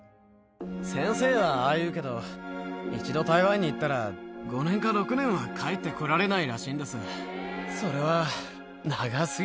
先生はああ言うけど、一度台湾に行ったら、５年か６年は帰ってこられないらしいんです。